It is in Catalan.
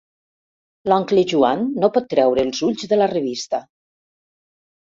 L'oncle Joan no pot treure els ulls de la revista.